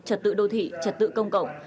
trật tự đô thị trật tự công cộng